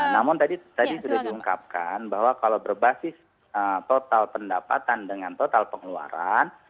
namun tadi sudah diungkapkan bahwa kalau berbasis total pendapatan dengan total pengeluaran